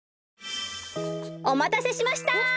おまたせしました！